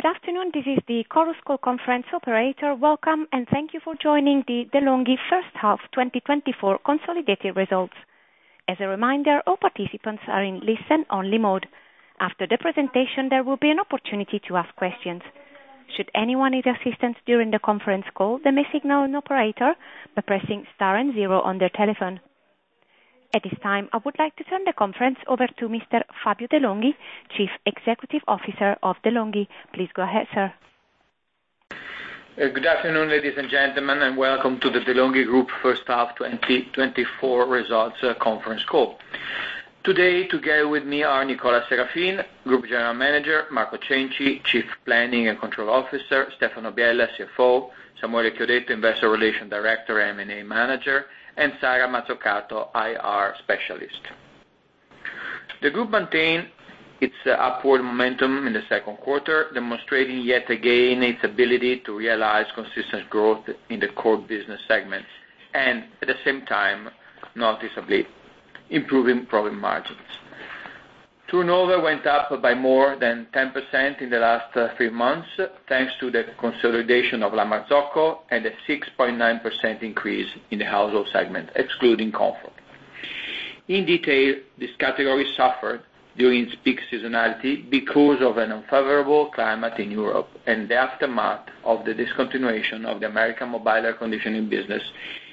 Good afternoon, this is the Chorus Call Conference operator. Welcome, and thank you for joining the De'Longhi First Half 2024 Consolidated Results. As a reminder, all participants are in listen-only mode. After the presentation, there will be an opportunity to ask questions. Should anyone need assistance during the conference call, they may signal an operator by pressing star and zero on their telephone. At this time, I would like to turn the conference over to Mr. Fabio De'Longhi, Chief Executive Officer of De'Longhi. Please go ahead, sir. Good afternoon, ladies and gentlemen, and welcome to the De'Longhi Group First Half 2024 Results Conference Call. Today, together with me are Nicola Serafin, Group General Manager, Marco Cenci, Chief Planning and Control Officer, Stefano Biella, CFO, Samuele Chiodetto, Investor Relations Director, M&A Manager, and Sara Mazzocato, IR Specialist. The group maintained its upward momentum in the second quarter, demonstrating yet again its ability to realize consistent growth in the core business segment and at the same time, noticeably improving profit margins. Turnover went up by more than 10% in the last three months, thanks to the consolidation of La Marzocco and a 6.9% increase in the household segment, excluding comfort. In detail, this category suffered during peak seasonality because of an unfavorable climate in Europe and the aftermath of the discontinuation of the American mobile air conditioning business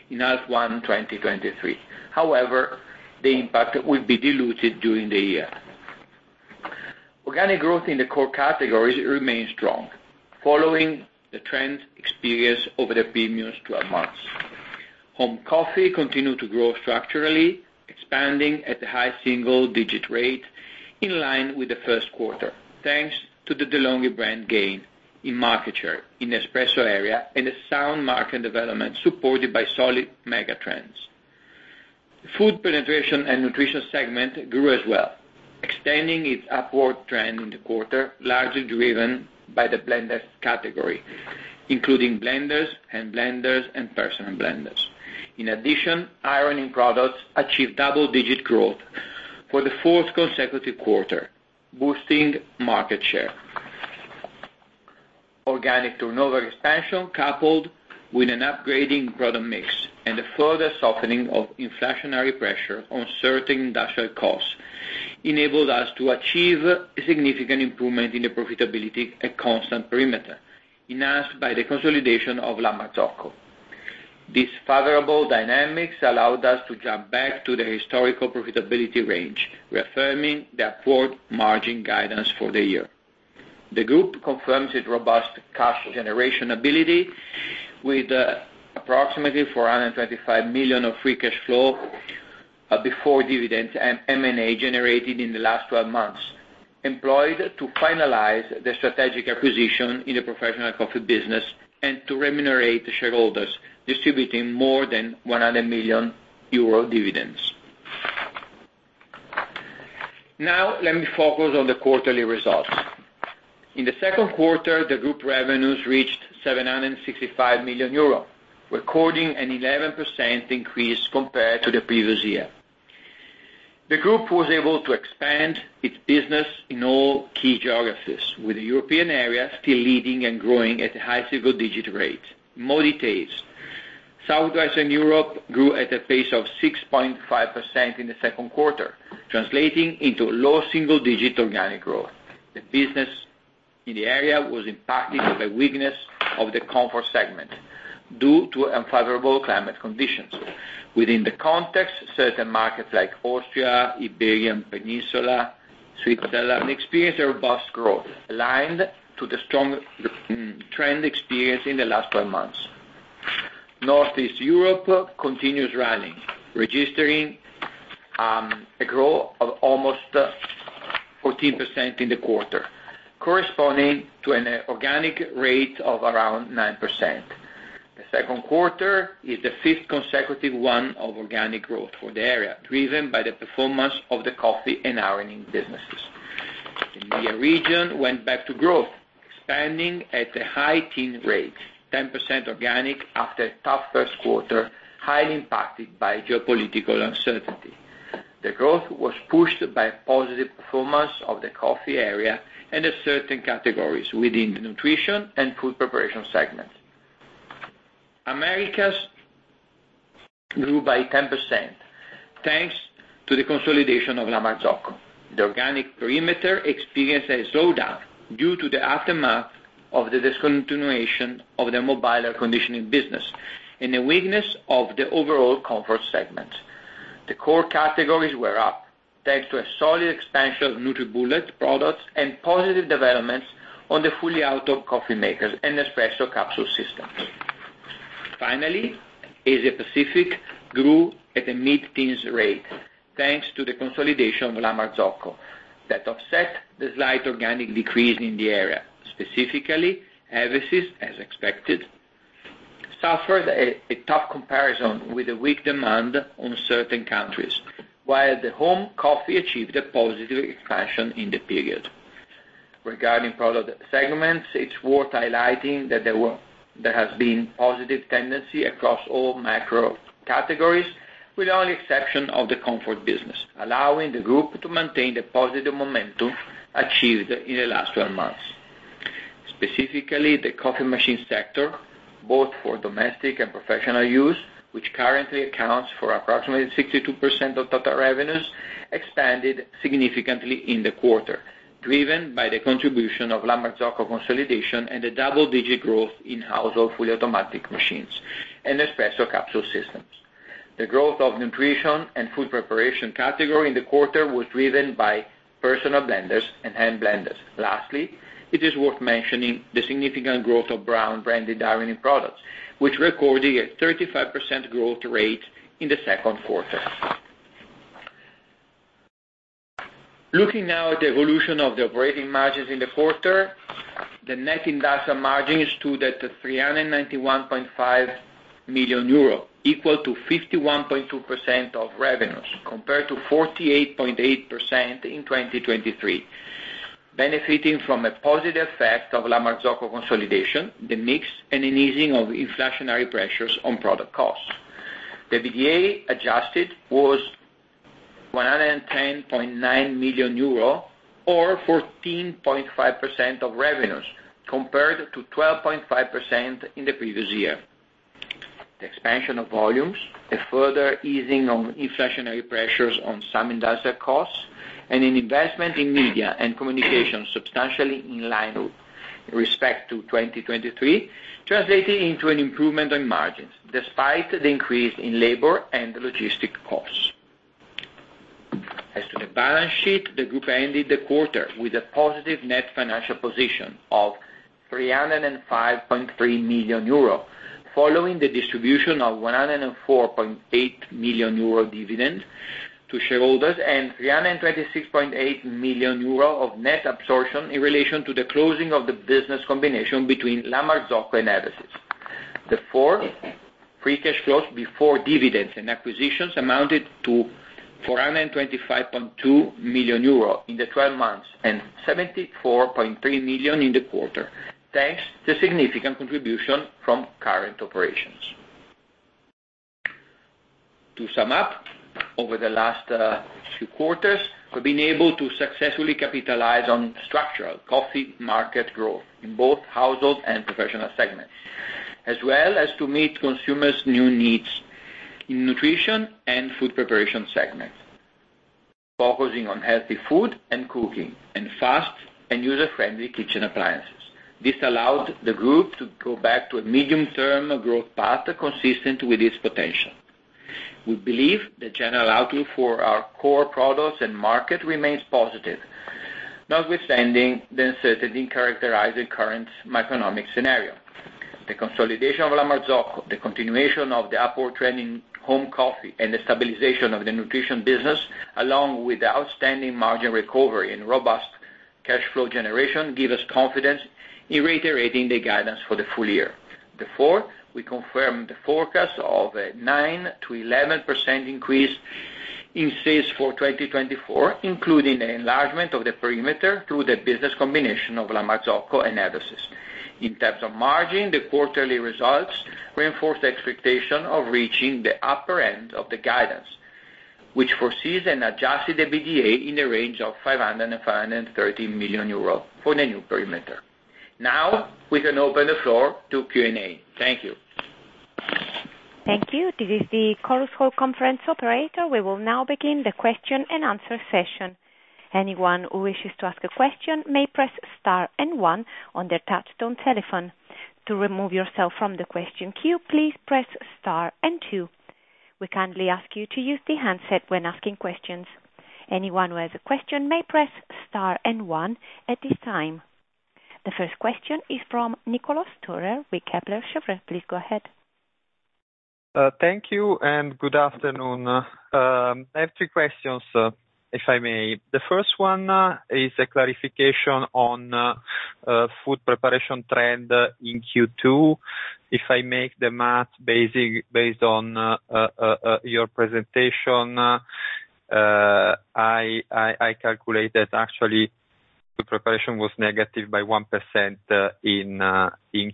in H1 2023. However, the impact will be diluted during the year. Organic growth in the core categories remains strong, following the trend experienced over the previous 12 months. Home coffee continued to grow structurally, expanding at a high single-digit rate, in line with the first quarter, thanks to the De'Longhi brand gain in market share in the espresso area and a sound market development supported by solid mega trends. Food preparation and nutrition segment grew as well, extending its upward trend in the quarter, largely driven by the blender category, including blenders, hand blenders, and personal blenders. In addition, ironing products achieved double-digit growth for the fourth consecutive quarter, boosting market share. Organic turnover expansion, coupled with an upgrading product mix and a further softening of inflationary pressure on certain industrial costs, enabled us to achieve a significant improvement in the profitability at constant perimeter, enhanced by the consolidation of La Marzocco. These favorable dynamics allowed us to jump back to the historical profitability range, reaffirming the upward margin guidance for the year. The group confirms its robust cash generation ability with approximately 425 million of free cash flow before dividends and M&A generated in the last twelve months, employed to finalize the strategic acquisition in the professional coffee business and to remunerate the shareholders, distributing more than 100 million euro dividends. Now, let me focus on the quarterly results. In the second quarter, the group revenues reached 765 million euro, recording an 11% increase compared to the previous year. The group was able to expand its business in all key geographies, with the European area still leading and growing at a high single-digit rate. More details. Southwestern Europe grew at a pace of 6.5% in the second quarter, translating into low single-digit organic growth. The business in the area was impacted by weakness of the comfort segment due to unfavorable climate conditions. Within the context, certain markets like Austria, Iberian Peninsula, Switzerland, experienced a robust growth aligned to the strong trend experienced in the last 12 months. Northeast Europe continues running, registering a growth of almost 14% in the quarter, corresponding to an organic rate of around 9%. The second quarter is the fifth consecutive one of organic growth for the area, driven by the performance of the coffee and ironing businesses. The EMEA region went back to growth, expanding at a high-teens rate, 10% organic after a tough first quarter, highly impacted by geopolitical uncertainty. The growth was pushed by positive performance of the coffee area and a certain categories within the nutrition and food preparation segment. Americas grew by 10%, thanks to the consolidation of La Marzocco. The organic perimeter experienced a slowdown due to the aftermath of the discontinuation of the mobile air conditioning business and the weakness of the overall comfort segment. The core categories were up, thanks to a solid expansion of NutriBullet products and positive developments on the fully auto coffee makers and espresso capsule systems. Finally, Asia Pacific grew at a mid-teens rate, thanks to the consolidation of La Marzocco, that offset the slight organic decrease in the area. Specifically, Eversys, as expected, suffered a tough comparison with a weak demand on certain countries, while the home coffee achieved a positive expansion in the period. Regarding product segments, it's worth highlighting that there has been positive tendency across all macro categories, with only exception of the comfort business, allowing the group to maintain the positive momentum achieved in the last 12 months. Specifically, the coffee machine sector, both for domestic and professional use, which currently accounts for approximately 62% of total revenues, expanded significantly in the quarter, driven by the contribution of La Marzocco consolidation and the double-digit growth in household fully automatic machines and espresso capsule systems. The growth of nutrition and food preparation category in the quarter was driven by personal blenders and hand blenders. Lastly, it is worth mentioning the significant growth of Braun-branded ironing products, which recorded a 35% growth rate in the second quarter. Looking now at the evolution of the operating margins in the quarter, the net industrial margin stood at 391.5 million euro, equal to 51.2% of revenues, compared to 48.8% in 2023, benefiting from a positive effect of La Marzocco consolidation, the mix and an easing of inflationary pressures on product costs. The EBITDA adjusted was 110.9 million euro, or 14.5% of revenues, compared to 12.5% in the previous year. The expansion of volumes, the further easing on inflationary pressures on some industrial costs, and an investment in media and communication, substantially in line with respect to 2023, translated into an improvement in margins, despite the increase in labor and logistic costs. As to the balance sheet, the group ended the quarter with a positive net financial position of 305.3 million euro, following the distribution of 104.8 million euro dividend to shareholders and 326.8 million euro of net absorption in relation to the closing of the business combination between La Marzocco and Eversys. The fourth, free cash flows before dividends and acquisitions amounted to 425.2 million euro in the 12 months, and 74.3 million in the quarter, thanks to significant contribution from current operations. To sum up, over the last few quarters, we've been able to successfully capitalize on structural coffee market growth in both household and professional segments, as well as to meet consumers' new needs in nutrition and food preparation segments, focusing on healthy food and cooking, and fast and user-friendly kitchen appliances. This allowed the group to go back to a medium-term growth path consistent with its potential. We believe the general outlook for our core products and market remains positive, notwithstanding the uncertainty characterizing current macroeconomic scenario. The consolidation of La Marzocco, the continuation of the upward trend in home coffee, and the stabilization of the nutrition business, along with the outstanding margin recovery and robust cash flow generation, give us confidence in reiterating the guidance for the full year. Therefore, we confirm the forecast of a 9%-11% increase in sales for 2024, including the enlargement of the perimeter through the business combination of La Marzocco and Eversys. In terms of margin, the quarterly results reinforce the expectation of reaching the upper end of the guidance, which foresees an Adjusted EBITDA in the range of 505 million-513 million euros for the new perimeter. Now, we can open the floor to Q&A. Thank you. Thank you. This is the Chorus Call Conference Operator. We will now begin the question-and-answer session. Anyone who wishes to ask a question may press star and one on their touchtone telephone. To remove yourself from the question queue, please press star and two. We kindly ask you to use the handset when asking questions. Anyone who has a question may press star and one at this time. The first question is from Nicolas Thaler with Kepler Cheuvreux. Please go ahead. Thank you and good afternoon. I have three questions, if I may. The first one is a clarification on food preparation trend in Q2. If I make the math based on your presentation, I calculate that actually, the preparation was negative by 1%, in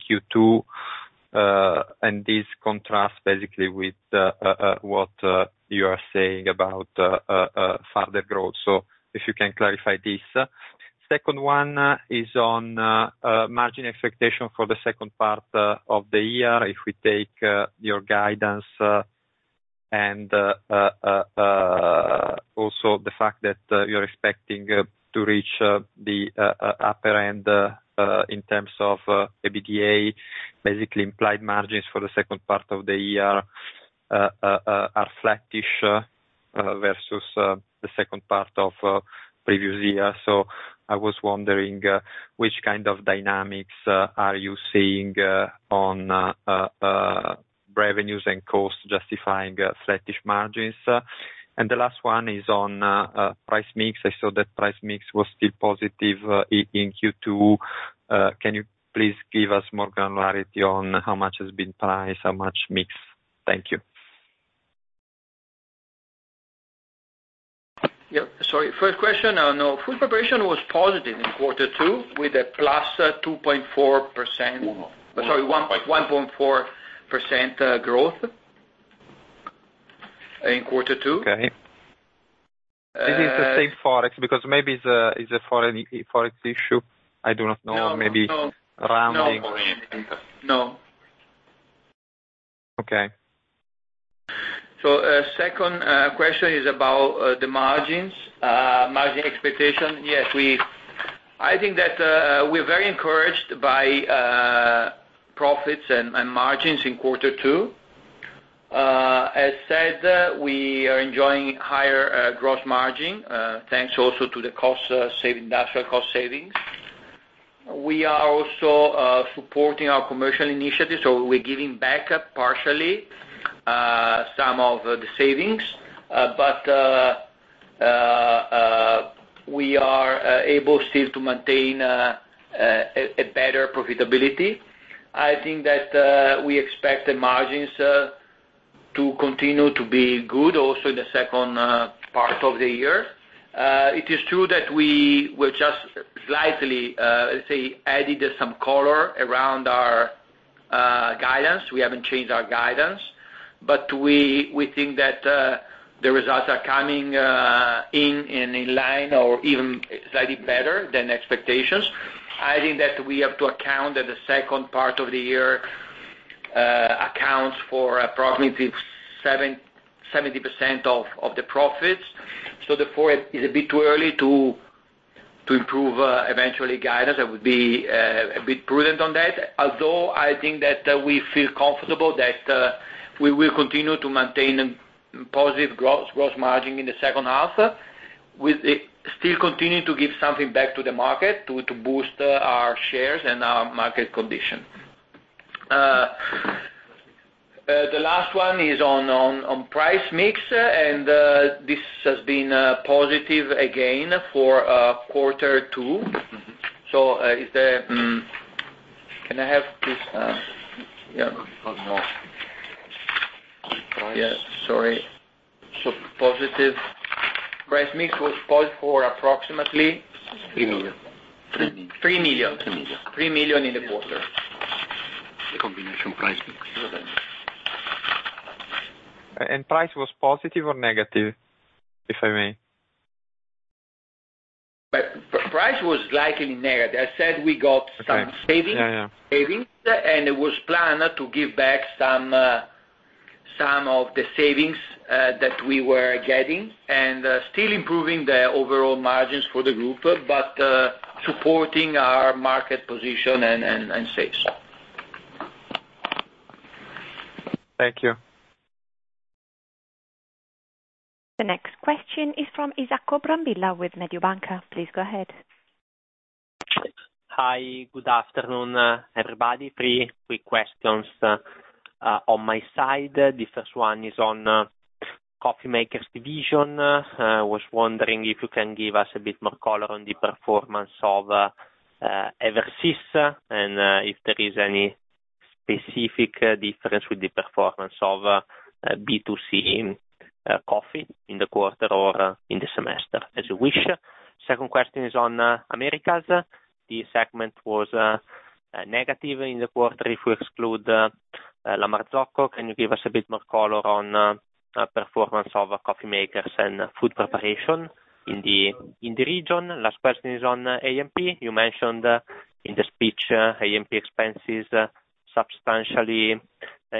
Q2, and this contrasts basically with what you are saying about further growth. So if you can clarify this. Second one is on margin expectation for the second part of the year. If we take your guidance, and also the fact that you're expecting to reach the upper end in terms of EBITDA, basically implied margins for the second part of the year are flattish versus the second part of previous year. So I was wondering which kind of dynamics are you seeing on revenues and costs justifying flattish margins? And the last one is on price mix. I saw that price mix was still positive in Q2. Can you please give us more granularity on how much has been price, how much mix? Thank you.... Yep, sorry, first question, no, food preparation was positive in quarter two, with a +2.4%. Sorry, 1.4%, growth in quarter two. Okay. This is the same Forex, because maybe it's a foreign Forex issue. I do not know, maybe- No. Rounding. No. Okay. So, second question is about the margins, margin expectation. Yes, I think that we're very encouraged by profits and, and margins in quarter two. As said, we are enjoying higher gross margin, thanks also to the industrial cost savings. We are also supporting our commercial initiatives, so we're giving back up partially some of the savings, but we are able still to maintain a better profitability. I think that we expect the margins to continue to be good also in the second part of the year. It is true that we were just slightly, let's say, added some color around our guidance. We haven't changed our guidance, but we think that the results are coming in line or even slightly better than expectations. I think that we have to account that the second part of the year accounts for approximately 70% of the profits. So therefore, it is a bit too early to improve eventually guidance. I would be a bit prudent on that. Although, I think that we feel comfortable that we will continue to maintain a positive growth margin in the second half, with it still continuing to give something back to the market to boost our shares and our market condition. The last one is on price mix, and this has been positive again for quarter two. Mm-hmm. So, is the... Can I have this, yeah. Oh, no. Yeah, sorry. So positive. Price mix was positive for approximately- Three million. Three million. Three million. 3 million in the quarter. The combination price mix. Price was positive or negative, if I may? But price was likely negative. I said we got some- Okay. savings- Yeah, yeah. Savings, and it was planned to give back some, some of the savings, that we were getting, and, still improving the overall margins for the group, but, supporting our market position and, and, and sales. Thank you. The next question is from Isacco Brambilla with Mediobanca. Please go ahead. Hi, good afternoon, everybody. Three quick questions on my side. The first one is on coffee makers division. I was wondering if you can give us a bit more color on the performance of Eversys, and if there is any specific difference with the performance of B2C in coffee, in the quarter or in the semester, as you wish. Second question is on Americas. The segment was negative in the quarter. If we exclude La Marzocco, can you give us a bit more color on performance of coffee makers and food preparation in the region? Last question is on A&P. You mentioned in the speech A&P expenses substantially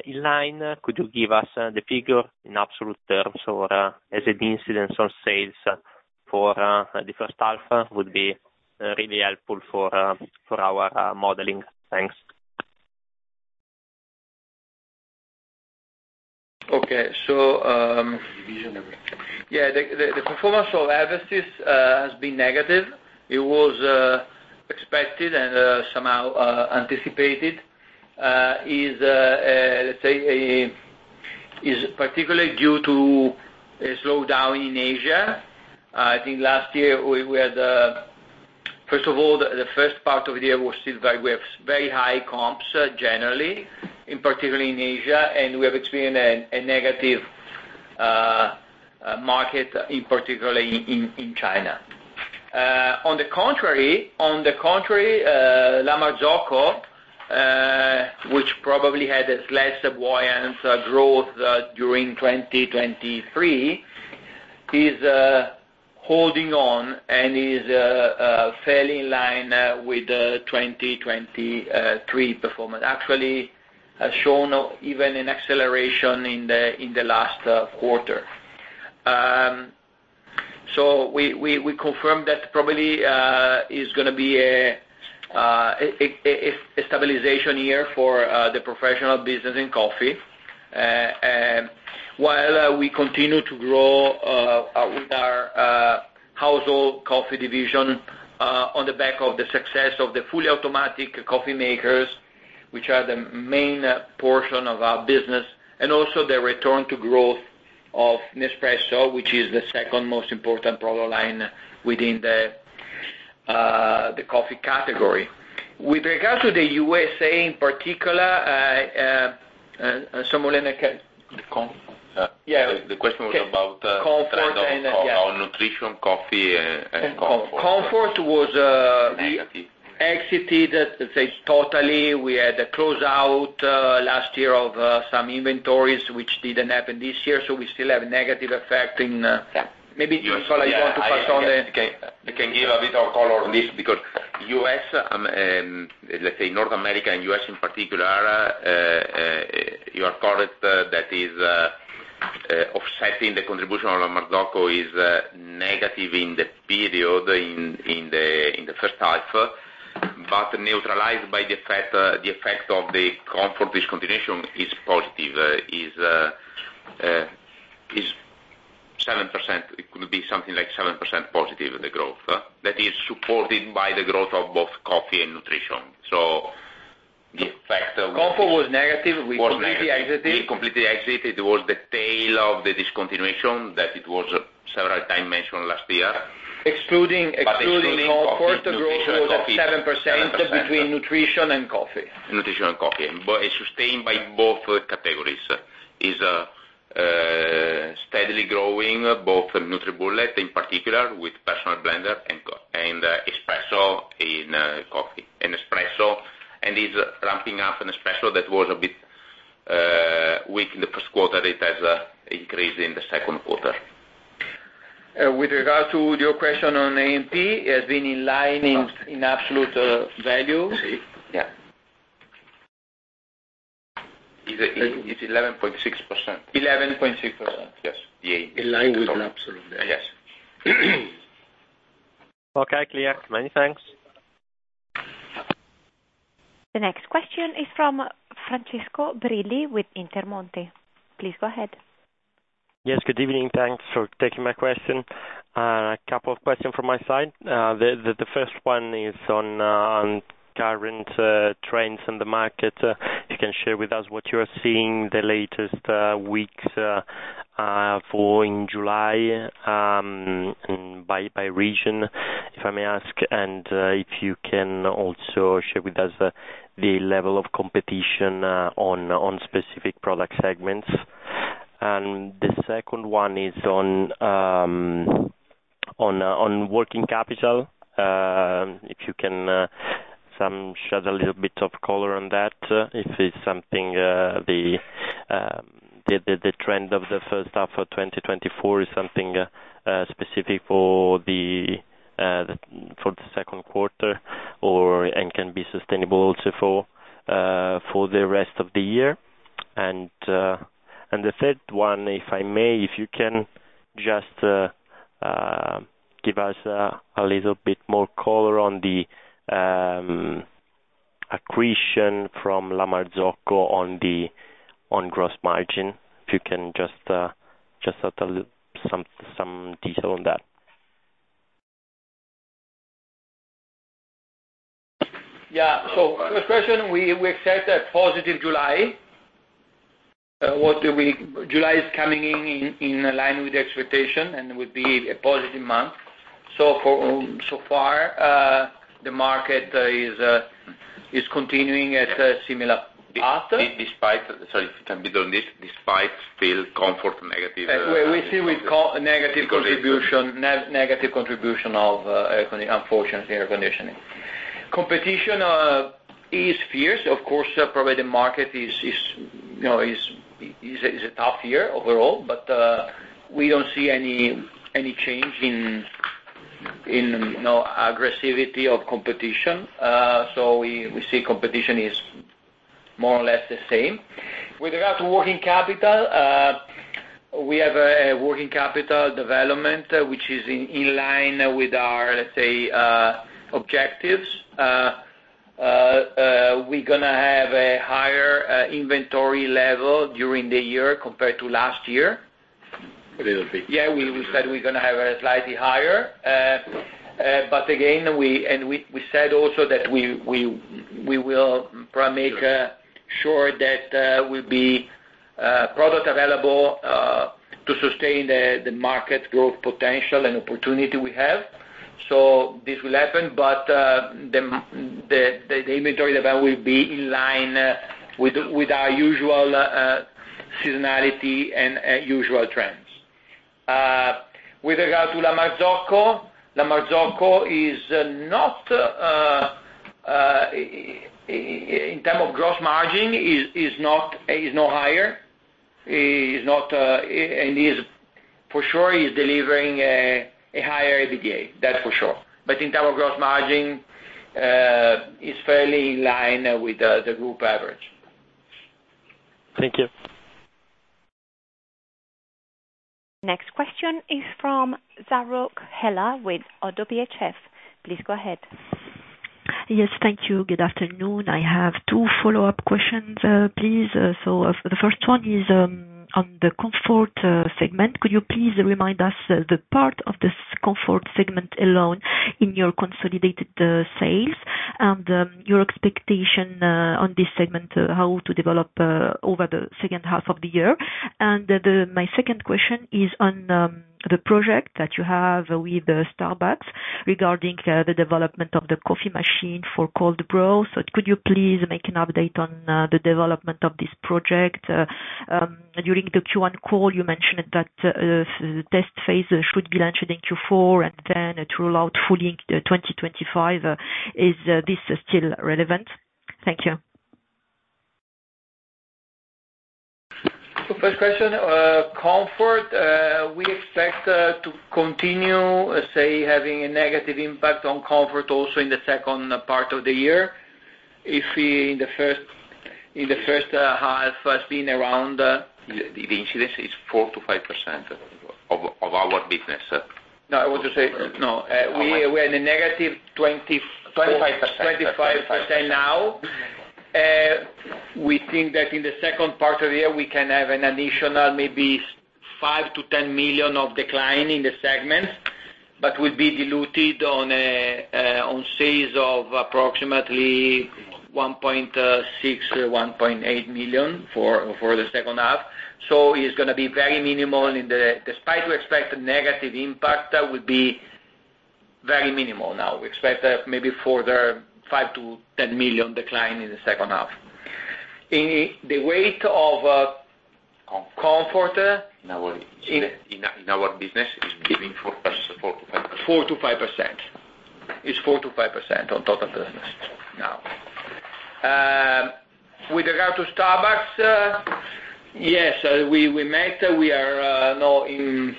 in line. Could you give us the figure in absolute terms or as an incidence on sales for the first half? Would be really helpful for our modeling. Thanks. Okay, so, Division. Yeah, the performance of Eversys has been negative. It was expected and somehow anticipated. It is, let's say, particularly due to a slowdown in Asia. I think last year we had... First of all, the first part of the year was still very, we have very high comps, generally, particularly in Asia, and we have experienced a negative market, particularly in China. On the contrary, La Marzocco, which probably had a slight buoyancy growth during 2023, is holding on and is fairly in line with the 2023 performance. Actually, has shown even an acceleration in the last quarter. So we confirm that probably is gonna be a stabilization year for the professional business in coffee. And while we continue to grow with our household coffee division on the back of the success of the fully automatic coffee makers, which are the main portion of our business, and also the return to growth of Nespresso, which is the second most important product line within the coffee category. With regards to the USA in particular, some more in a case. The com- Yeah. The question was about, Comfort and, yeah. On nutrition, coffee, and comfort. Comfort was exited, let's say, totally. We had a closeout last year of some inventories, which didn't happen this year, so we still have negative effect in... Maybe, Carlo, you want to pass on the- I can give a bit of color on this, because US, let's say North America and US in particular, you are correct, that is, offsetting the contribution on La Marzocco is negative in the period, in the first half, but neutralized by the effect, the effect of the comfort discontinuation is positive, is 7%. It could be something like 7% positive in the growth, that is supported by the growth of both coffee and nutrition. So the effect- Comfort was negative. Was negative. We completely exited. We completely exited. It was the tail of the discontinuation, that it was several times mentioned last year. Excluding, excluding- But excluding coffee- Comfort, the growth was at 7%- Seven percent. Between nutrition and coffee. Nutrition and coffee, but it's sustained by both categories. It's steadily growing, both NutriBullet in particular with personal blender and coffee and espresso in coffee in espresso, and is ramping up in espresso that was a bit weak in the first quarter. It has increased in the second quarter. With regard to your question on A&P, it has been in line in absolute value. Si. Yeah. It's 11.6%. 11.6%. Yes, the A. In line with the absolute value. Yes. Okay, clear. Many thanks. The next question is from Francesco Brilli with Intermonte. Please go ahead. Yes, good evening. Thanks for taking my question. A couple of questions from my side. The first one is on current trends in the market. If you can share with us what you are seeing the latest weeks in July and by region, if I may ask, and if you can also share with us the level of competition on specific product segments. And the second one is on working capital. If you can shed a little bit of color on that, if the trend of the first half of 2024 is something specific for the second quarter or can be sustainable also for the rest of the year. The third one, if I may, if you can just give us a little bit more color on the accretion from La Marzocco on gross margin. Just a little, some detail on that. Yeah. So first question, we accept a positive July. July is coming in line with the expectation, and will be a positive month. So far, the market is continuing at a similar path. Sorry, on this, despite still somewhat negative, We still with co, negative contribution, negative contribution of, unfortunately, air conditioning. Competition is fierce. Of course, probably the market is, you know, a tough year overall, but we don't see any change in, you know, aggressivity of competition. So we see competition is more or less the same. With regard to working capital, we have a working capital development, which is in line with our, let's say, objectives. We're gonna have a higher inventory level during the year compared to last year. A little bit. Yeah, we said we're gonna have a slightly higher. But again, we said also that we will make sure that we'll be product available to sustain the market growth potential and opportunity we have. So this will happen, but the inventory level will be in line with our usual seasonality and usual trends. With regard to La Marzocco, La Marzocco is not in term of gross margin, is not, is no higher. Is not, and is for sure delivering a higher EBITDA, that's for sure. But in term of gross margin is fairly in line with the group average. Thank you. Next question is from Hela Zarrouk with Oddo BHF. Please go ahead. Yes, thank you. Good afternoon. I have two follow-up questions, please. So, the first one is on the comfort segment. Could you please remind us the part of this comfort segment alone in your consolidated sales?... and, your expectation on this segment, how to develop over the second half of the year? And my second question is on the project that you have with Starbucks regarding the development of the coffee machine for cold brew. So could you please make an update on the development of this project? During the Q1 call, you mentioned that the test phase should be launched in Q4, and then to roll out fully in 2025. Is this still relevant? Thank you. First question, comfort. We expect to continue, let's say, having a negative impact on comfort also in the second part of the year. If we, in the first half has been around- The incidence is 4%-5% of our business. No, I want to say... No, we are in a negative 20- Twenty-five percent. 25% now. We think that in the second part of the year, we can have an additional maybe 5-10 million of decline in the segment, but will be diluted on sales of approximately 1.6-1.8 million for the second half. So it's gonna be very minimal in the- despite we expect a negative impact, that would be very minimal now. We expect maybe further 5-10 million decline in the second half. In the weight of, comfort- In our business is keeping 4%, 4%-5%. 4%-5%. It's 4%-5% on total business now. With regard to Starbucks, yes, we met, we are now in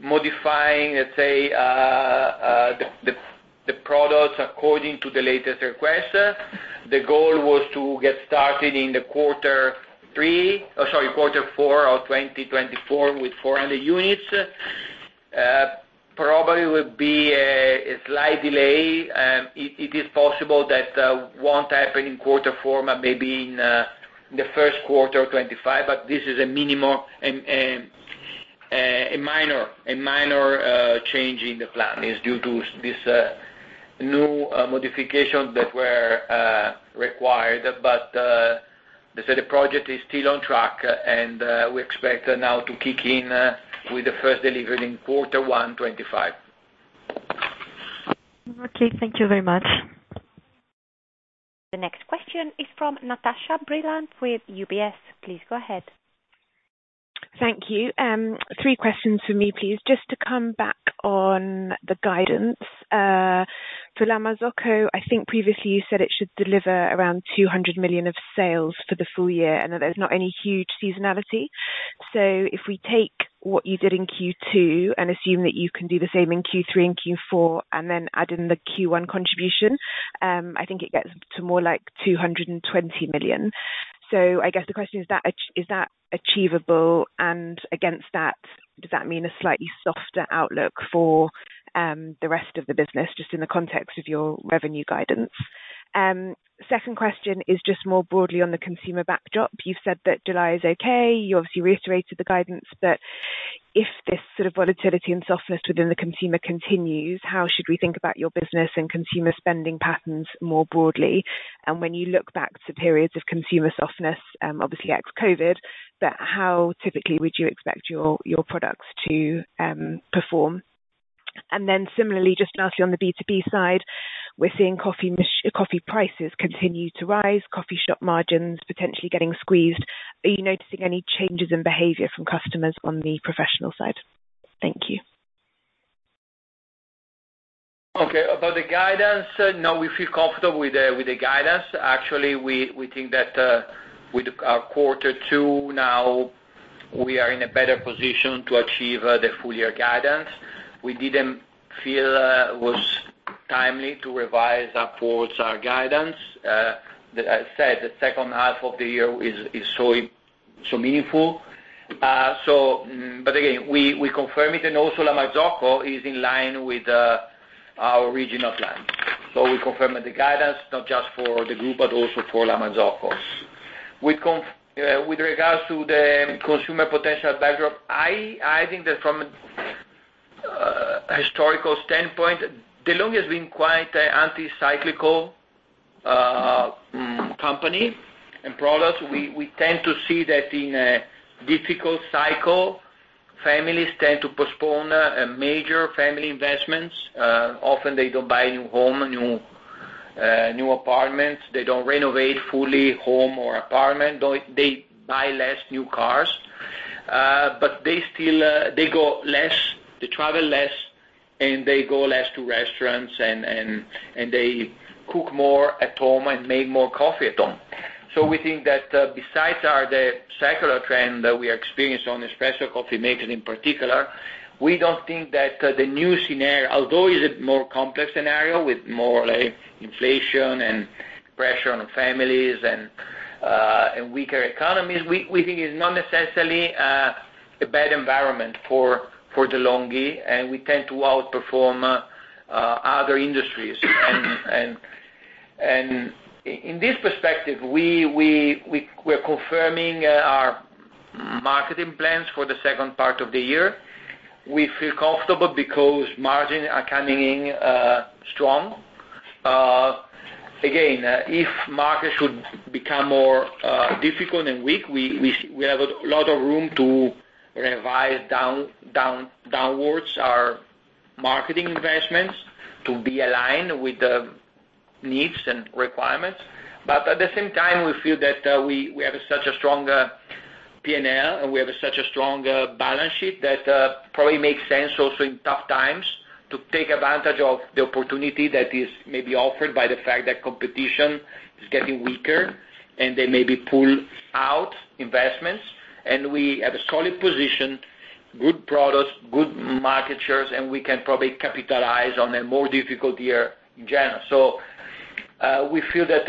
modifying, let's say, the products according to the latest request. The goal was to get started in quarter four of 2024, with 400 units. Probably would be a slight delay. It is possible that won't happen in quarter four, but maybe in the first quarter of 2025, but this is a minimal and a minor change in the plan, is due to this new modifications that were required. But the study project is still on track, and we expect now to kick in with the first delivery in quarter one, 2025. Okay. Thank you very much. The next question is from Natasha Brilliant with UBS. Please go ahead. Thank you. Three questions for me, please. Just to come back on the guidance for La Marzocco, I think previously you said it should deliver around 200 million of sales for the full year, and that there's not any huge seasonality. So if we take what you did in Q2 and assume that you can do the same in Q3 and Q4, and then add in the Q1 contribution, I think it gets to more like 220 million. So I guess the question is, is that achievable, and against that, does that mean a slightly softer outlook for the rest of the business, just in the context of your revenue guidance? Second question is just more broadly on the consumer backdrop. You said that July is okay. You obviously reiterated the guidance, but if this sort of volatility and softness within the consumer continues, how should we think about your business and consumer spending patterns more broadly? And when you look back to periods of consumer softness, obviously ex-COVID, but how typically would you expect your, your products to perform? And then similarly, just lastly, on the B2B side, we're seeing coffee prices continue to rise, coffee shop margins potentially getting squeezed. Are you noticing any changes in behavior from customers on the professional side? Thank you. Okay. About the guidance, now we feel comfortable with the guidance. Actually, we think that with our quarter two now, we are in a better position to achieve the full year guidance. We didn't feel was timely to revise upwards our guidance. As I said, the second half of the year is so meaningful. So, but again, we confirm it, and also La Marzocco is in line with our original plan. So we confirm the guidance, not just for the group, but also for La Marzocco. With regards to the consumer potential backdrop, I think that from a historical standpoint, De'Longhi has been quite anti-cyclical company and product. We tend to see that in a difficult cycle, families tend to postpone major family investments. Often, they don't buy a new home, a new apartment. They don't renovate fully home or apartment. Though they buy less new cars, but they still, they go less, they travel less, and they go less to restaurants, and they cook more at home and make more coffee at home. So we think that, besides our, the cyclical trend that we are experiencing on espresso coffee makers in particular, we don't think that, the new scenario, although it's a more complex scenario, with more, like, inflation and pressure on families and, and weaker economies, we think it's not necessarily, a bad environment for, for De'Longhi, and we tend to outperform, other industries. In this perspective, we, we're confirming, our marketing plans for the second part of the year. We feel comfortable because margins are coming in strong. Again, if markets should become more difficult and weak, we have a lot of room to revise downwards our marketing investments to be aligned with the needs and requirements. But at the same time, we feel that we have such a strong PNL, and we have such a strong balance sheet that probably makes sense also in tough times, to take advantage of the opportunity that is maybe offered by the fact that competition is getting weaker, and they maybe pull out investments. And we have a solid position, good products, good market shares, and we can probably capitalize on a more difficult year in general. So, we feel that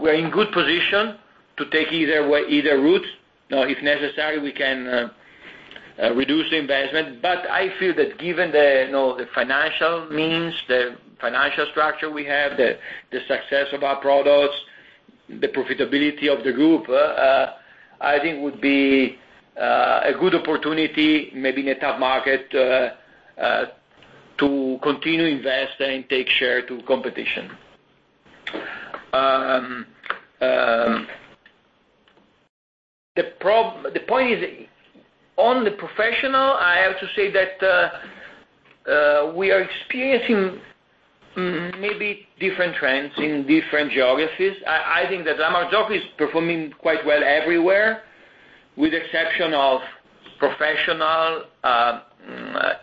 we're in good position to take either way - either route. Now, if necessary, we can reduce the investment. But I feel that given the, you know, the financial means, the financial structure we have, the success of our products, the profitability of the group, I think would be a good opportunity, maybe in a tough market, to continue to invest and take share to competition. The point is, on the professional, I have to say that we are experiencing maybe different trends in different geographies. I think that La Marzocco is performing quite well everywhere, with the exception of professional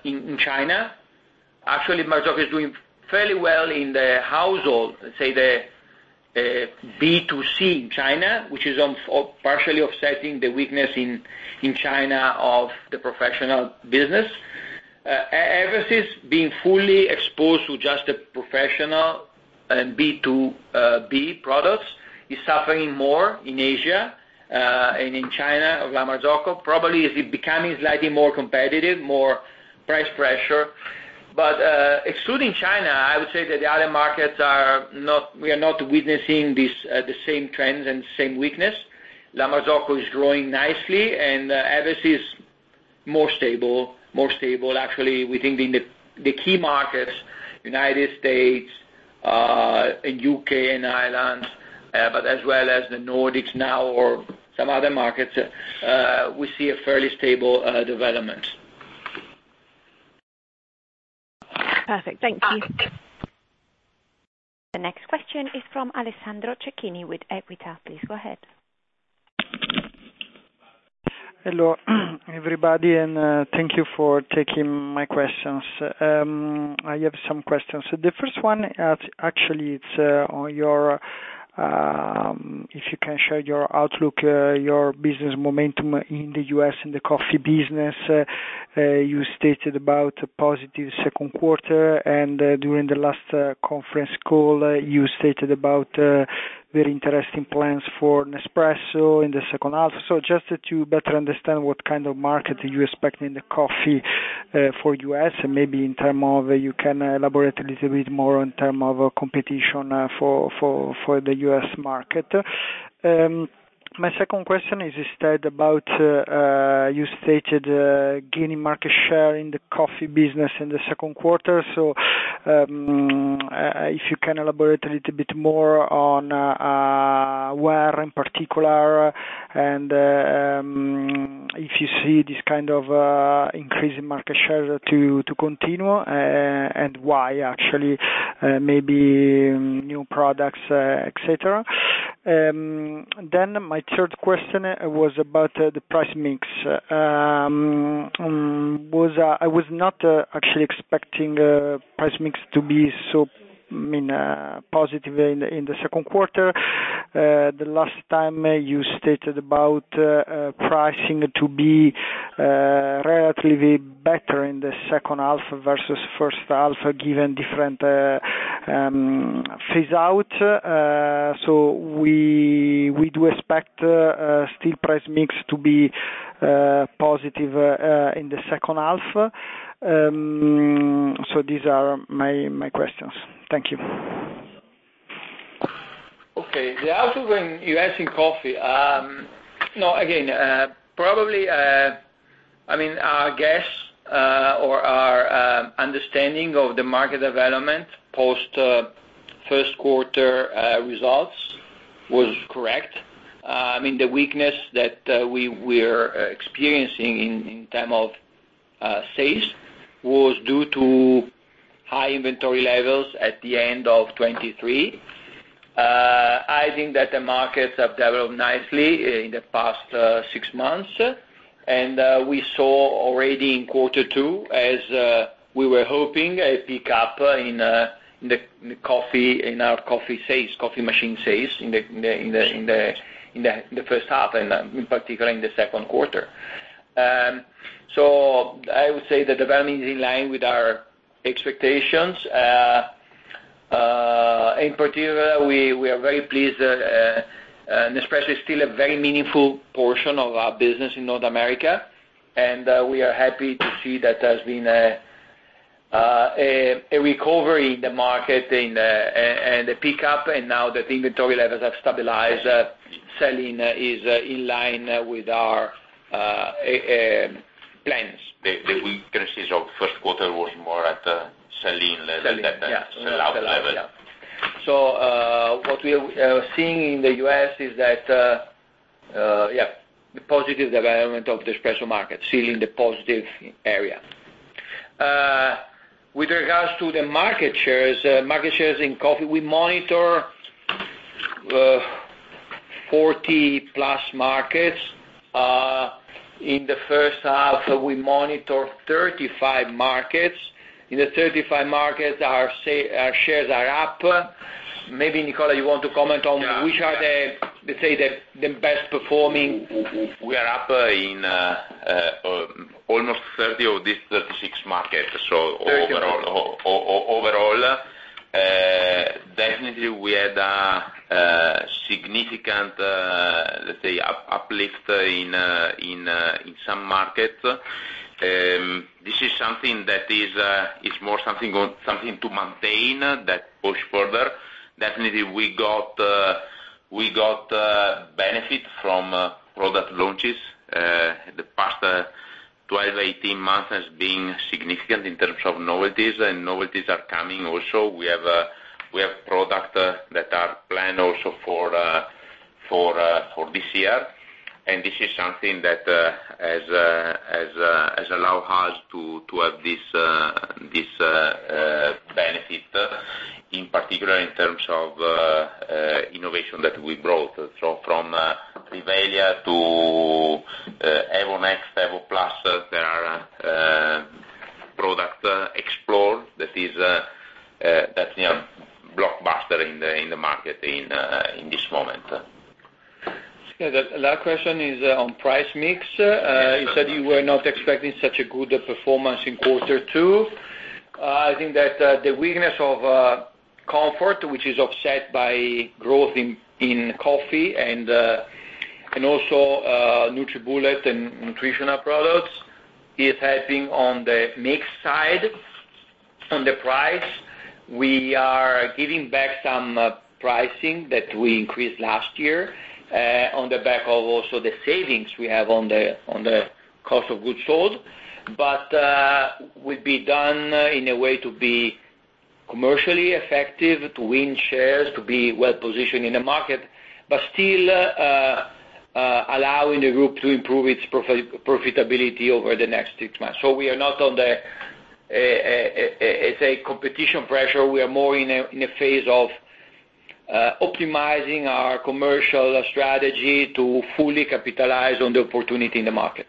in China. Actually, La Marzocco is doing fairly well in the household, let's say the B2C in China, which is partially offsetting the weakness in China of the professional business. Eversys being fully exposed to just a professional and B2B products, is suffering more in Asia, and in China than La Marzocco. Probably, is becoming slightly more competitive, more price pressure. But, excluding China, I would say that the other markets are not—we are not witnessing this, the same trends and same weakness. La Marzocco is growing nicely, and Eversys is more stable, more stable. Actually, we think in the key markets, United States, and UK and Ireland, but as well as the Nordics now or some other markets, we see a fairly stable development. Perfect. Thank you. The next question is from Alessandro Cecchini with Equita. Please go ahead. Hello, everybody, and thank you for taking my questions. I have some questions. So the first one, actually, it's on your if you can share your outlook, your business momentum in the U.S. in the coffee business. You stated about a positive second quarter, and during the last conference call, you stated about very interesting plans for Nespresso in the second half. So just to better understand, what kind of market are you expecting in the coffee for U.S., and maybe in terms of you can elaborate a little bit more in terms of competition for the U.S. market. My second question is instead about you stated gaining market share in the coffee business in the second quarter. So, if you can elaborate a little bit more on where in particular, and if you see this kind of increase in market share to continue, and why, actually, maybe new products, et cetera. Then my third question was about the price mix. I was not actually expecting price mix to be so, I mean, positive in the second quarter. The last time you stated about pricing to be relatively better in the second half versus first half, given different phase out. So we do expect still price mix to be positive in the second half. So these are my questions. Thank you. Okay. Then in the U.S. in coffee, no, again, probably, I mean, our guess, or our understanding of the market development post first quarter results was correct. I mean, the weakness that we're experiencing in terms of sales was due to high inventory levels at the end of 2023. I think that the markets have developed nicely in the past six months. And we saw already in quarter two, as we were hoping, a pickup in the coffee, in our coffee sales, coffee machine sales in the first half, and in particular, in the second quarter. So I would say the development is in line with our expectations. In particular, we are very pleased. Nespresso is still a very meaningful portion of our business in North America, and we are happy to see that there's been a recovery in the market and a pickup, and now that the inventory levels have stabilized, selling is in line with our plans. The weaknesses of first quarter was more at selling level- Selling, yeah. Sell-out level. Yeah. So, what we are seeing in the US is that, yeah, the positive development of the espresso market, still in the positive area. With regards to the market shares, market shares in coffee, we monitor 40+ markets. In the first half, we monitor 35 markets. In the 35 markets, our shares are up. Maybe, Nicola, you want to comment on- Yeah. which are the, let's say, the best performing? We are up in almost 30 of these 36 markets. Thirty-six. So overall, definitely we had a significant, let's say, uplift in some markets. This is something that is more something to maintain that push further. Definitely, we got benefit from product launches. The past 12-18 months has been significant in terms of novelties, and novelties are coming also. We have product that are planned also for this year, and this is something that has allowed us to have this benefit, in particular in terms of innovation that we brought. So from Rivelia to Evo Next, Magnifica Plus, there are product Explore that, you know, blockbuster in the market in this moment. Yeah, the last question is on price mix. Yes. You said you were not expecting such a good performance in quarter two. I think that the weakness of comfort, which is offset by growth in coffee and also NutriBullet and nutritional products, is helping on the mix side. On the price, we are giving back some pricing that we increased last year, on the back of also the savings we have on the cost of goods sold. But we've been done in a way to be commercially effective, to win shares, to be well-positioned in the market, but still allowing the group to improve its profitability over the next six months. So we are not on the, it's a competition pressure. We are more in a phase of optimizing our commercial strategy to fully capitalize on the opportunity in the market.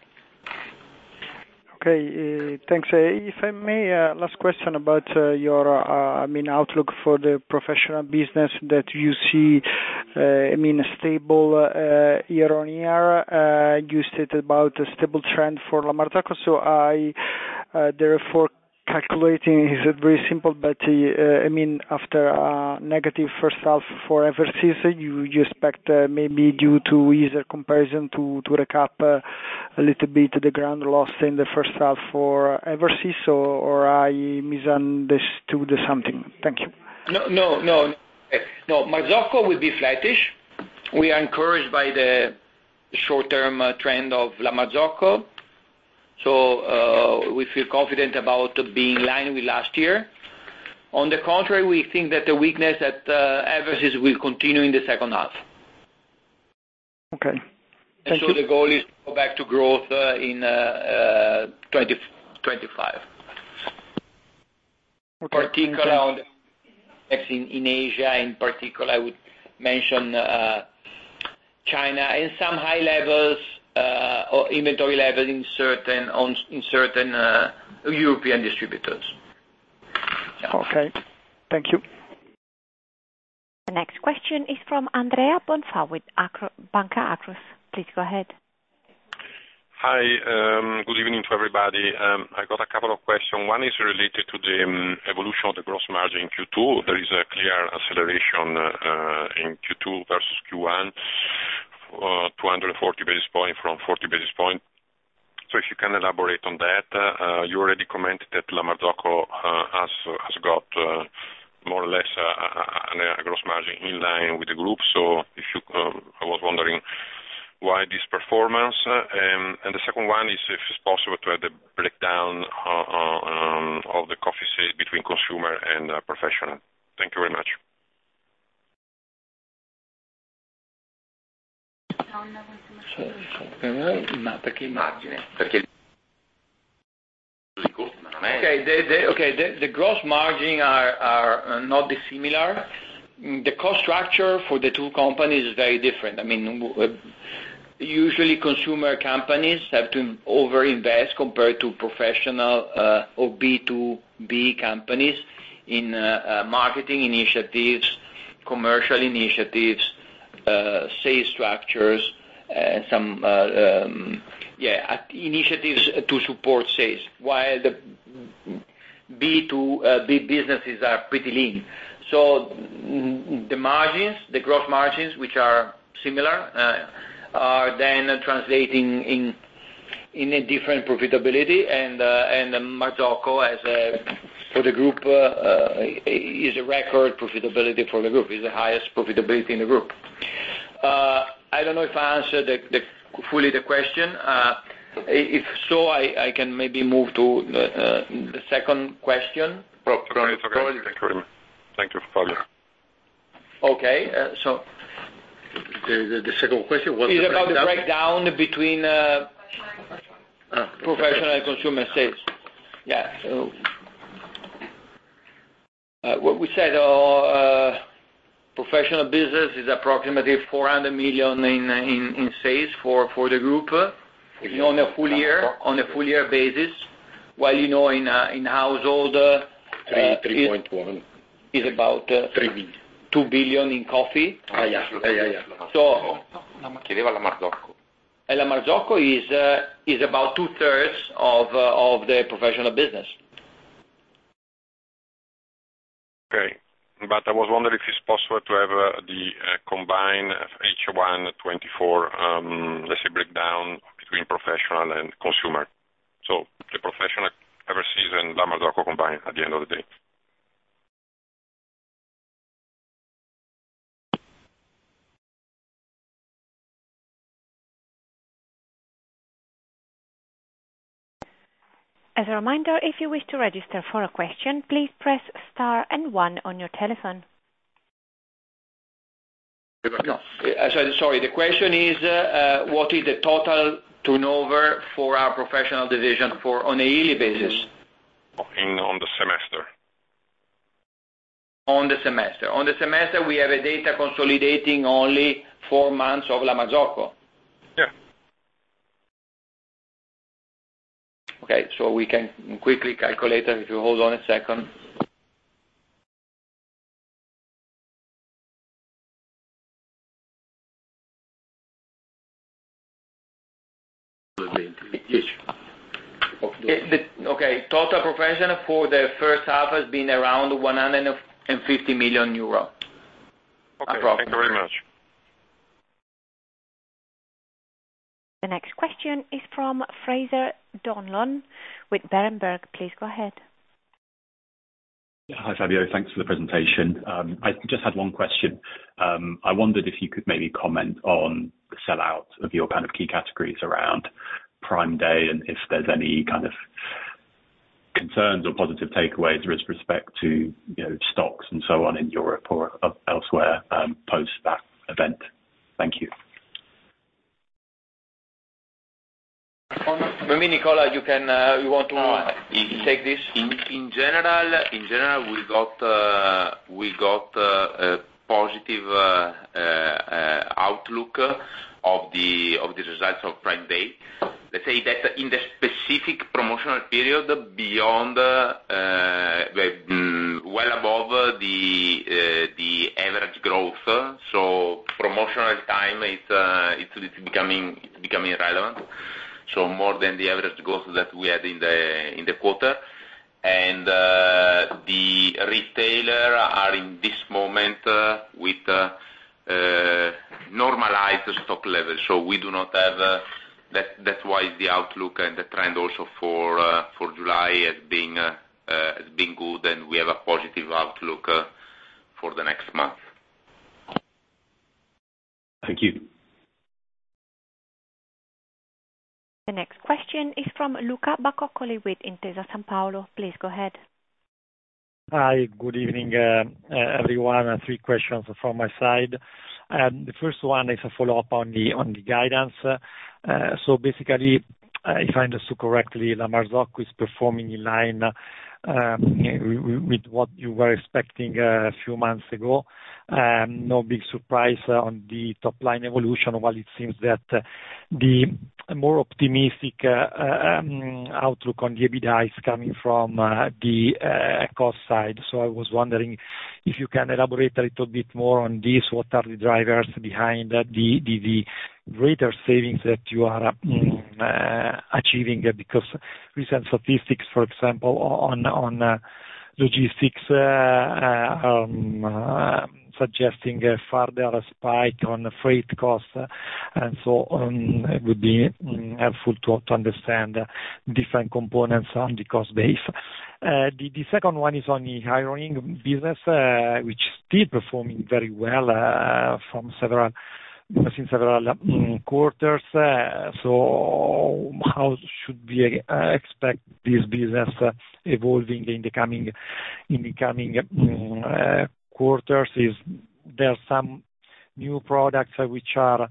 Okay, thanks. If I may, last question about, your, I mean, outlook for the professional business that you see, I mean, stable, year on year. You said about a stable trend for La Marzocco, so I, therefore, calculating is very simple, but, I mean, after a negative first half for Eversys, you, you expect, maybe due to easier comparison to, to recap, a little bit the ground lost in the first half for Eversys, or I misunderstood something? Thank you. No, no, no. No, La Marzocco will be flattish. We are encouraged by the short-term trend of La Marzocco, so we feel confident about being in line with last year. On the contrary, we think that the weakness at Eversys will continue in the second half. Okay. Thank you. The goal is to go back to growth in 2025. Okay, thank you. Particularly in Asia, in particular, I would mention China, and some high levels or inventory levels in certain European distributors. Okay, thank you. The next question is from Andrea Bonfa with Banca Akros. Please go ahead. Hi, good evening to everybody. I got a couple of questions. One is related to the evolution of the gross margin in Q2. There is a clear acceleration in Q2 versus Q1, 240 basis point from 40 basis point. So if you can elaborate on that. You already commented that La Marzocco has got more or less a gross margin in line with the group. So if you... I was wondering why this performance? And the second one is, if it's possible, to have the breakdown of the coffee sales between consumer and professional. Thank you very much. Okay, the gross margins are not dissimilar. The cost structure for the two companies is very different. I mean, usually, consumer companies have to over-invest compared to professional or B2B companies in marketing initiatives, commercial initiatives, sales structures, some initiatives to support sales, while the B2B businesses are pretty lean. So the margins, the gross margins, which are similar, are then translating in a different profitability, and La Marzocco as for the group is a record profitability for the group, is the highest profitability in the group. I don't know if I answered fully the question. If so, I can maybe move to the second question from- It's okay. Thank you very much. Thank you, Fabio. Okay, so. The second question was- It's about the breakdown between, Professional. Professional consumer sales. Yeah. So, what we said, professional business is approximately 400 million in sales for the group. If you on a full year, on a full year basis, while you know, in household- 3, 3.1. Is about, Three billion. 2 billion in coffee. Yeah, yeah, yeah. So- La Marzocco. And La Marzocco is about two-thirds of the professional business. Okay. But I was wondering if it's possible to have combined H1 2024, let's say, breakdown between professional and consumer. So the professional, overseas and La Marzocco combined, at the end of the day. As a reminder, if you wish to register for a question, please press star and one on your telephone. So sorry, the question is, what is the total turnover for our professional division for on a yearly basis? In on the semester. On the semester, we have data consolidating only four months of La Marzocco. Yeah. Okay, so we can quickly calculate it if you hold on a second. Okay, total professional for the first half has been around 150 million euros. Okay. Approximately. Thank you very much. The next question is from Fraser Donlon with Berenberg. Please go ahead. Hi, Fabio. Thanks for the presentation. I just had one question. I wondered if you could maybe comment on the sell-out of your kind of key categories around Prime Day, and if there's any kind of concerns or positive takeaways with respect to, you know, stocks and so on, in Europe or elsewhere, post that event. Thank you. Maybe, Nicola, you can, you want to take this? In general, we got a positive outlook of the results of Prime Day. Let's say that in the specific promotional period, well above the average growth. So promotional time, it's becoming relevant, so more than the average growth that we had in the quarter. And the retailers are, in this moment, with normalized stock levels, so we do not have... That's why the outlook and the trend also for July has been good, and we have a positive outlook for the next month. Thank you. The next question is from Luca Bacoccoli with Intesa Sanpaolo. Please go ahead. Hi, good evening, everyone. Three questions from my side. The first one is a follow-up on the guidance. So basically, if I understood correctly, La Marzocco is performing in line with what you were expecting a few months ago. No big surprise on the top line evolution, while it seems that the more optimistic outlook on the EBITDA is coming from the cost side. So I was wondering if you can elaborate a little bit more on this. What are the drivers behind the greater savings that you are achieving? Because recent statistics, for example, on logistics suggesting a farther spike on the freight costs. And so, it would be helpful to understand the different components on the cost base. The second one is on the ironing business, which still performing very well, since several quarters. So how should we expect this business evolving in the coming quarters? Are there some new products which are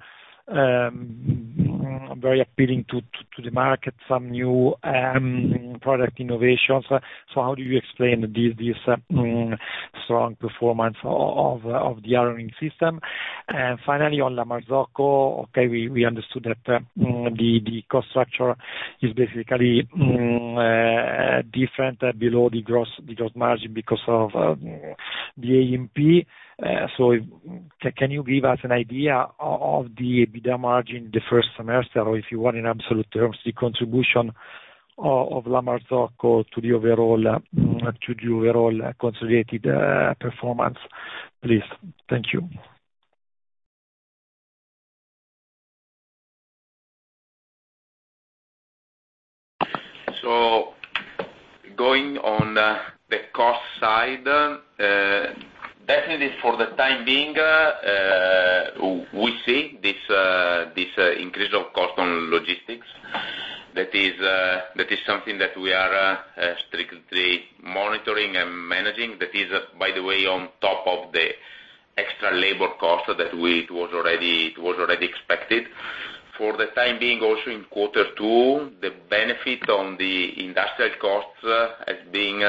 very appealing to the market, some new product innovations? So how do you explain this strong performance of the ironing system? And finally, on La Marzocco, okay, we understood that the cost structure is basically different below the gross margin because of the AMP. So, can you give us an idea of the EBITDA margin in the first semester, or if you want, in absolute terms, the contribution of La Marzocco to the overall, to the overall, consolidated performance, please? Thank you.... So going on, the cost side, definitely for the time being, we see this increase of cost on logistics. That is something that we are strictly monitoring and managing. That is, by the way, on top of the extra labor cost that it was already expected. For the time being, also in quarter two, the benefit on the industrial costs as being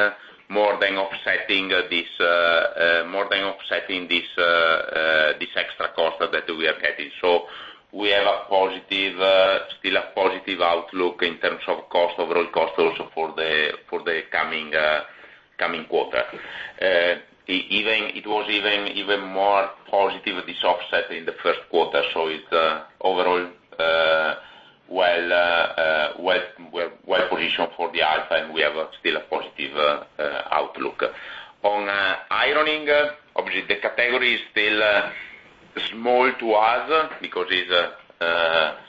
more than offsetting this extra cost that we are getting. So we have a positive, still a positive outlook in terms of cost, overall cost also for the coming quarter. Even, it was even more positive, this offset in the first quarter, so it's overall, well, well, we're well positioned for the half time. We have a still a positive outlook. On ironing, obviously, the category is still small to us because it's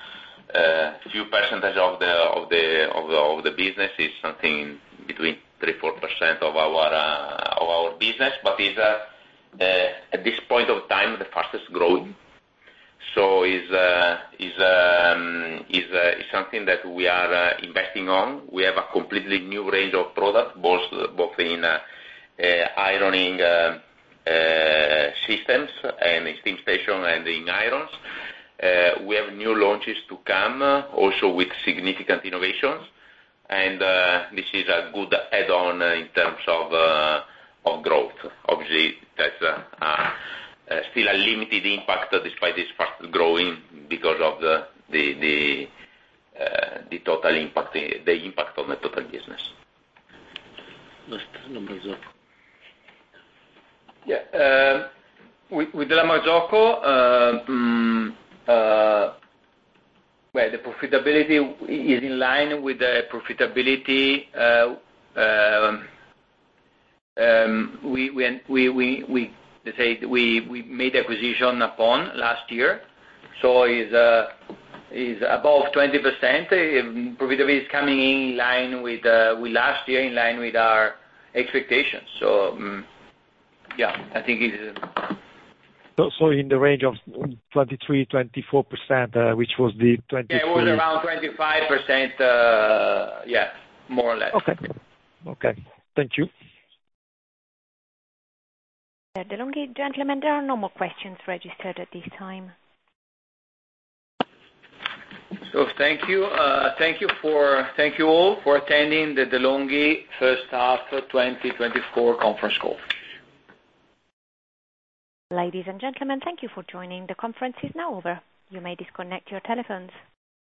few percentage of the business. It's something between 3%-4% of our business, but is at this point of time the fastest growing. So is something that we are investing on. We have a completely new range of products, both in ironing systems and in steam station and in irons. We have new launches to come, also with significant innovations, and this is a good add-on in terms of of growth. Obviously, that's still a limited impact, despite this fast growing, because of the total impact, the impact on the total business. With La Marzocco, well, the profitability is in line with the profitability. Let's say, we made acquisition upon last year, so is above 20%. Profitability is coming in line with last year, in line with our expectations. I think it is- In the range of 23%-24%, which was the 2020- Yeah, it was around 25%, yeah, more or less. Okay. Okay, thank you. At De'Longhi, gentlemen, there are no more questions registered at this time. Thank you all for attending the De'Longhi first half 2024 conference call. Ladies and gentlemen, thank you for joining. The conference is now over. You may disconnect your telephones.